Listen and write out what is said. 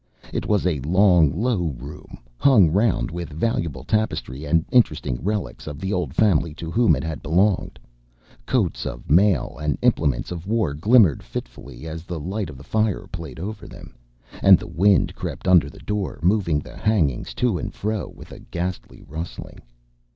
It was a long low room, hung round with valuable tapestry and interesting relics of the old family to whom it had belonged. Coats of mail and implements of war glimmered fitfully as the light of the fire played over them, and the wind crept under the door, moving the hangings to and fro with a ghastly rustling.